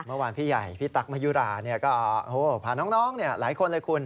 เมื่อวานพี่ใหญ่พี่ตั๊กมะยุราก็พาน้องหลายคนเลยคุณ